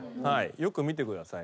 よく見てください。